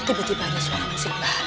penerangnya terusing ingin berdiri